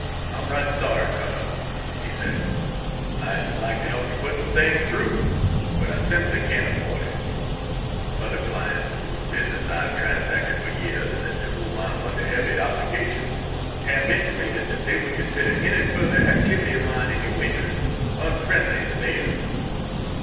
"I'm right sorry, Colonel," he said. "I should like to help you put the thing through, but I simply can't afford it. Other clients, whose business I have transacted for years, and to whom I am under heavy obligations, have intimated that they would consider any further activity of mine in your interest unfriendly to theirs."